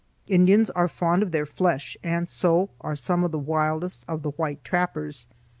Indians are fond of their flesh, and so are some of the wildest of the white trappers.